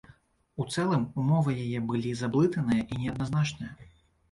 У цэлым, умовы яе былі заблытаныя і неадназначныя.